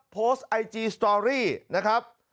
โพสต์ไอจีสตอรี่นะครับ